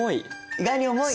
意外に重い！？